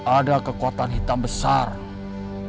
ada kekuatan hitam besarnya